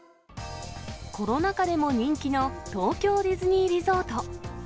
コロナ禍でも人気の東京ディズニーリゾート。